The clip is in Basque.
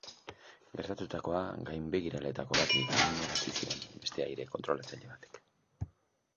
Gertatutakoa gainbegiraleetako bati jakinarazi zion beste aire-kontrolatzaile batek.